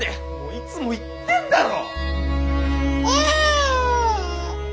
いつも言ってんだろ！